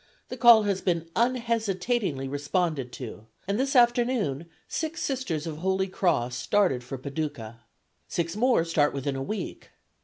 The call has been unhesitatingly responded to, and this afternoon six Sisters of Holy Cross started for Paducah. Six more start within a week....